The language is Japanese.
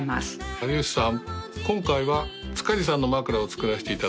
有吉さん